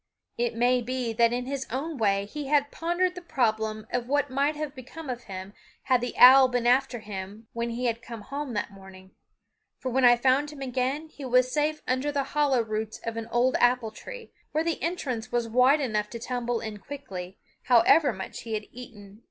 It may be that in his own way he had pondered the problem of what might have become of him had the owl been after him when he came home that morning; for when I found him again he was safe under the hollow roots of an old apple tree, where the entrance was wide enough to tumble in quickly, however much he had eaten.